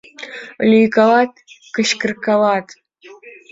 Лӱйкалат, кычкыркалат...